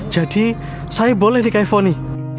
jadi saya boleh di kaifoni